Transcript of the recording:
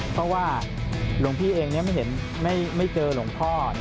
เพราะว่าหลวงพี่เองไม่เจอหลวงพ่อ